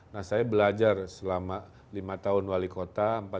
nah saya belajar selama lima tahun wali kota